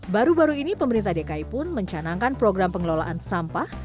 baru baru ini pemerintah dki pun mencanangkan program pengelolaan sampah